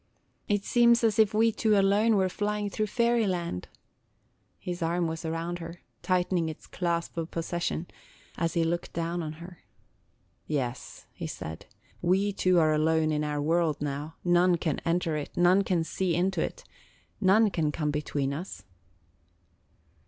"It seems as if we two alone were flying through fairy land." His arm was around her, tightening its clasp of possession as he looked down on her. "Yes," he said, "we two are alone in our world now; none can enter it; none can see into it; none can come between us."